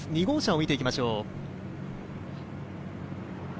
２号車を見ていきましょう。